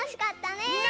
ねえ！